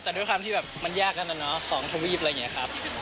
ด้วยครั้งที่แบบมันยากนะเนอะเหสิทธิพอร์มวานช่วงแรก